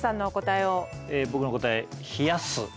え僕の答え冷やす。